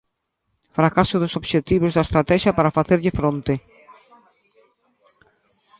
Fracaso dos obxectivos da estratexia para facerlle fronte.